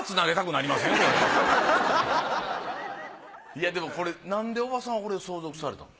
いやでもこれなんで伯母さんはこれを相続されたの？